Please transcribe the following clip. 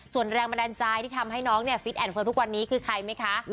ส่วนแรงบันดาลใจที่ทำให้น้องเนี่ยฟิตแอนดเฟิร์มทุกวันนี้คือใครไหมคะ